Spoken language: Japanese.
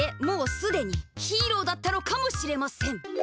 もうすでにヒーローだったのかもしれません。